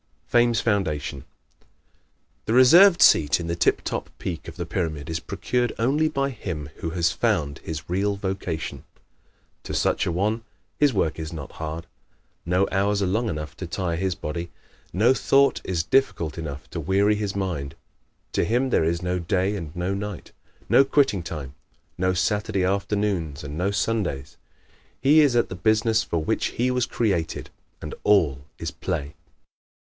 Fame's Foundation ¶ The reserved seat in the tip top peak of the pyramid is procured only by him who has found his real vocation. To such a one his work is not hard. No hours are long enough to tire his body; no thought is difficult enough to weary his mind; to him there is no day and no night, no quitting time, no Saturday afternoons and no Sundays. He is at the business for which he was created and all is play.